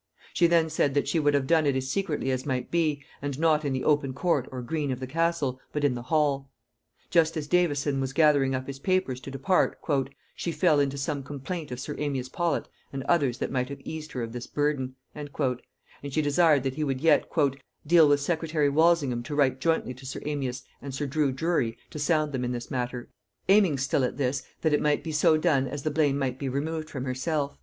She then said, that she would have it done as secretly as might be, and not in the open court or green of the castle, but in the hall. Just as Davison was gathering up his papers to depart, "she fell into some complaint of sir Amias Paulet and others that might have eased her of this burthen;" and she desired that he would yet "deal with secretary Walsingham to write jointly to sir Amias and sir Drue Drury to sound them in this matter; "aiming still at this, that it might be so done as the blame might be removed from herself."